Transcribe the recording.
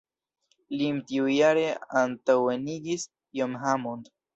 Lin tiujare antaŭenigis John Hammond.